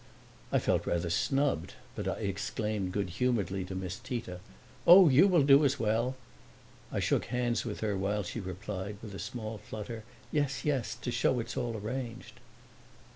I felt rather snubbed but I exclaimed good humoredly to Miss Tita, "Oh, you will do as well!" I shook hands with her while she replied, with a small flutter, "Yes, yes, to show it's all arranged!"